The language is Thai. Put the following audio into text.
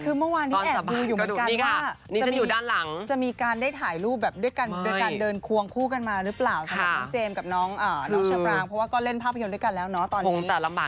คือเมื่อวานที่แอดดูอยู่เหมือนกันว่า